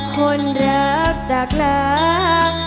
คนรักจากรัก